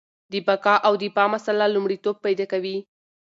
د بقا او دفاع مسله لومړیتوب پیدا کوي.